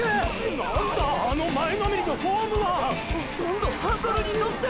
なんだあの前のめりのフォームは⁉ほとんどハンドルに乗ってる！！